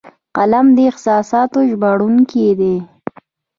قلم د احساساتو ژباړونکی دی